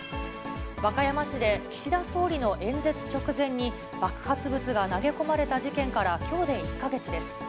和歌山市で岸田総理の演説直前に爆発物が投げ込まれた事件からきょうで１か月です。